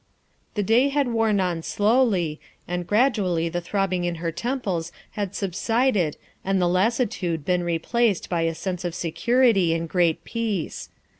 The day had worn on slowly, and gradually the throbbing in her temples had subsided and the lassitude been replaced by a sense of security and great peace.